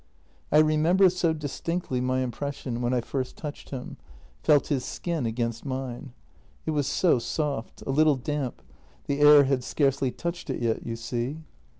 " I remember so distinctly my impression when I first touched him, felt his skin against mine. It was so soft, a little damp — the air had scarcely touched it yet, you see.